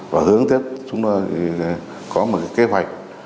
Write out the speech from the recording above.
và hướng tiếp chúng ta có một kế hoạch